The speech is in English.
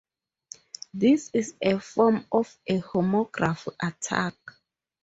This is a form of a homograph attack.